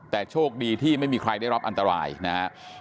แต่โชคดีที่ไม่มีใครได้รับอันตรายนะครับ